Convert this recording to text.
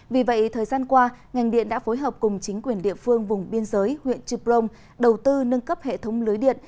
vì vậy thời gian qua ngành điện đã phối hợp cùng chính quyền địa phương vùng biên giới huyện trư prong đầu tư nâng cấp hệ thống lưới điện